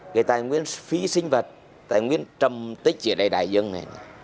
cái tài nguyên phi sinh vật tài nguyên trầm tích ở đây đại dân này